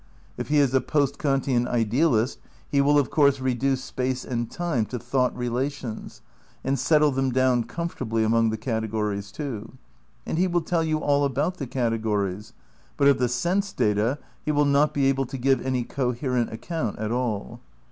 If he is a post Kantian idealist he will of course reduce space and time to thought relations and settle them down com fortably among the categories, too. And he will tell you all about the categories, but of the sense data he will not be able to give any coherent account at all.